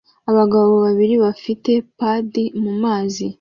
Abagabo babiri bafite padi mumazi